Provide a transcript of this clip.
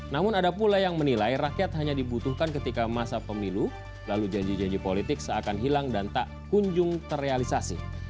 namun ada pula yang menilai rakyat hanya dibutuhkan ketika masa pemilu lalu janji janji politik seakan hilang dan tak kunjung terrealisasi